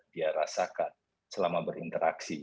dia rasakan selama berinteraksi